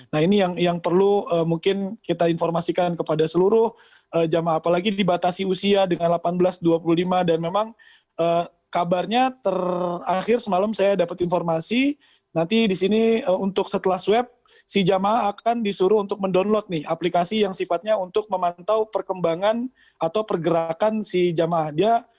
nah ini yang perlu mungkin kita informasikan kepada seluruh jamaah apalagi dibatasi usia dengan delapan belas dua puluh lima dan memang kabarnya terakhir semalam saya dapat informasi nanti disini untuk setelah swep si jamaah akan disuruh untuk mendownload aplikasi yang sifatnya untuk memantau perkembangan atau pergerakan si jamaah